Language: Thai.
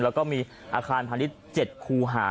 แล้วก็มีอาคารพาณิชย์๗คูหา